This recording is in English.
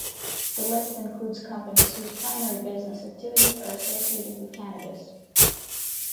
The list includes companies whose primary business activities are associated with cannabis.